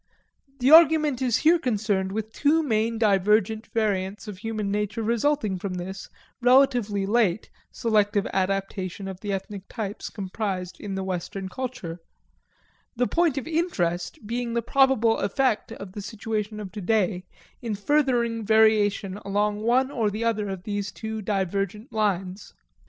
The argument is here concerned with two main divergent variants of human nature resulting from this, relatively late, selective adaptation of the ethnic types comprised in the Western culture; the point of interest being the probable effect of the situation of today in furthering variation along one or the other of these two divergent lines.